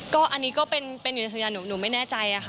ก็อันนี้ก็เป็นอยู่ในสัญญาหนูไม่แน่ใจค่ะ